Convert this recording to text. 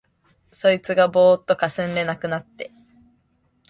そいつがぼうっとかすんで無くなって、